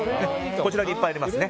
こちらにいっぱいありますね。